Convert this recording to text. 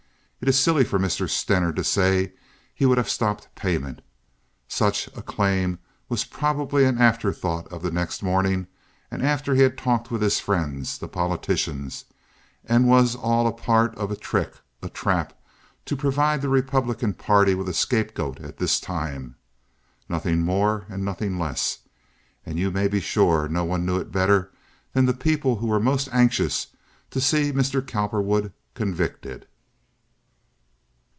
It is silly for Mr. Stener to say he would have stopped payment. Such a claim was probably an after thought of the next morning after he had talked with his friends, the politicians, and was all a part, a trick, a trap, to provide the Republican party with a scapegoat at this time. Nothing more and nothing less; and you may be sure no one knew it better than the people who were most anxious to see Mr. Cowperwood convicted."